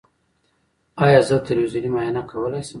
ایا زه تلویزیوني معاینه کولی شم؟